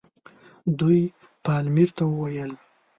دوی پالمر ته وویل.